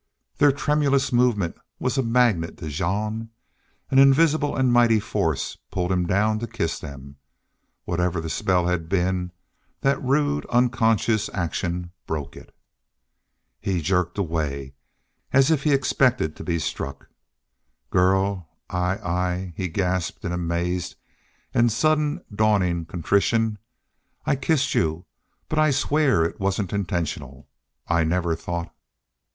Their tremulous movement was a magnet to Jean. An invisible and mighty force pulled him down to kiss them. Whatever the spell had been, that rude, unconscious action broke it. He jerked away, as if he expected to be struck. "Girl I I" he gasped in amaze and sudden dawning contrition "I kissed you but I swear it wasn't intentional I never thought...."